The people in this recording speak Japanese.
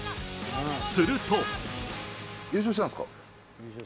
すると。